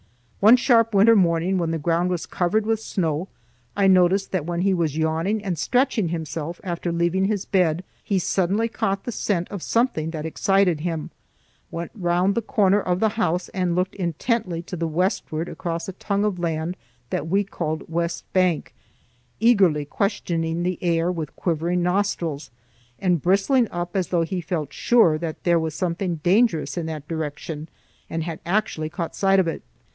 One sharp winter morning when the ground was covered with snow, I noticed that when he was yawning and stretching himself after leaving his bed he suddenly caught the scent of something that excited him, went round the corner of the house, and looked intently to the westward across a tongue of land that we called West Bank, eagerly questioning the air with quivering nostrils, and bristling up as though he felt sure that there was something dangerous in that direction and had actually caught sight of it.